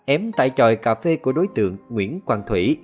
ém tại tròi cà phê của đối tượng nguyễn quang thủy